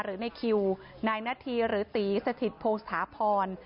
หรือในคิวนายนาธีหรือตีสถิตพงศาพร